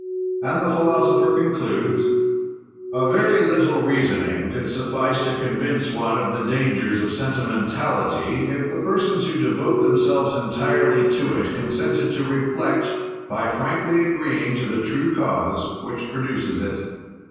And the philosopher concludes: "A very little reasoning could suffice to convince one of the dangers of sentimentality, if the persons who devote themselves entirely to it consented to reflect, by frankly agreeing to the true cause which produces it.